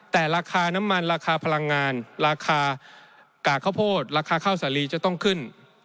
แต่ราคาน้ำมันราคาพลังงานราคากากข้าวโพดราคาข้าวสาลีจะต้องขึ้น